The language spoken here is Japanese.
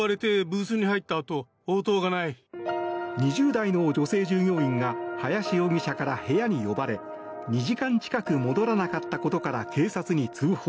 ２０代の女性従業員が林容疑者から部屋に呼ばれ２時間近く戻らなかったことから警察に通報。